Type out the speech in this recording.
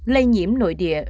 lây nhiễm nội địa